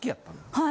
はい。